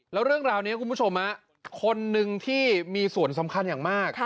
แล้วเรื่องราวนี้คุณผู้ชมคนนึงที่มีส่วนสำคัญอย่างมาก